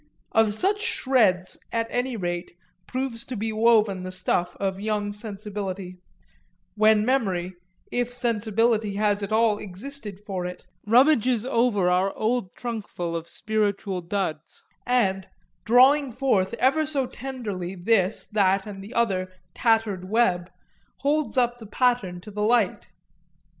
Of such shreds, at any rate, proves to be woven the stuff of young sensibility when memory (if sensibility has at all existed for it) rummages over our old trunkful of spiritual duds and, drawing forth ever so tenderly this, that and the other tattered web, holds up the pattern to the light.